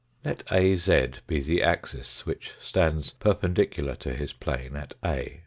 Let AZ be the axis, which stands perpendicular to his plane at A.